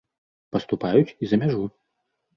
Паступаюць і за мяжу.